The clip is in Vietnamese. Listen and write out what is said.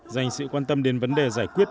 dành sự quan tâm đến vấn đề giải quyết